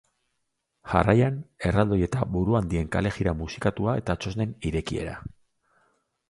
Jarraian, erraldoi eta buruhandien kalejira musikatua eta txosnen irekiera.